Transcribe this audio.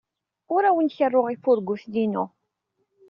Ur awen-kerruɣ ifurguten-inu.